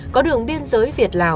có đường biên giới việt lào